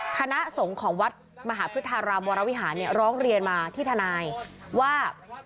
คณะสงฆ์ของวัดมหาพฤทธารามวรวิหารร้องเรียนมาที่ทนายว่า